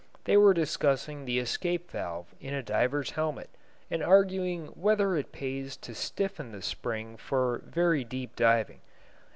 They were discussing the escape valve in a diver's helmet, and arguing whether it pays to stiffen the spring for very deep diving.